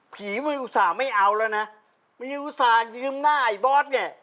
เพียหมายอุตส่าห์ไม่เอาละนะมันยังอุตส่าห์ยืมหน้าไอบอสไง